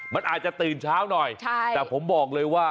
มันอาจจะตื่นเช้าหน่อยแต่ผมบอกเลยว่า